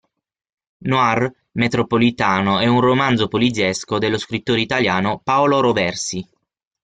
Noir metropolitano è un romanzo poliziesco dello scrittore italiano Paolo Roversi.